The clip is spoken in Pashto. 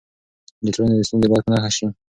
د ټولنې ستونزې باید په نښه سي.